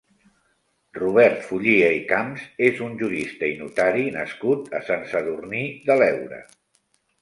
Robert Follia i Camps és un jurista i notari nascut a Sant Sadurní de l'Heura.